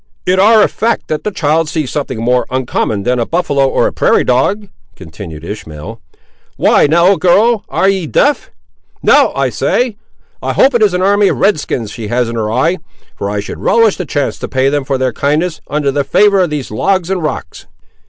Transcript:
"It ar' a fact that the child sees something more uncommon than a buffaloe or a prairie dog!" continued Ishmael. "Why, Nell, girl, ar' ye deaf? Nell, I say;—I hope it is an army of red skins she has in her eye; for I should relish the chance to pay them for their kindness, under the favour of these logs and rocks!"